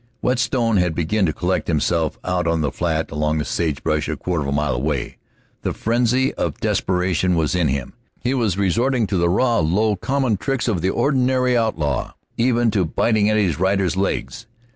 Whetstone had begun to collect himself out on the flat among the sagebrush a quarter of a mile away. The frenzy of desperation was in him. He was resorting to the raw, low, common tricks of the ordinary outlaw, even to biting at his rider's legs.